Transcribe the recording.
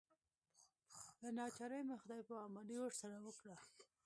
له ناچارۍ مې خدای پاماني ورسره وکړه.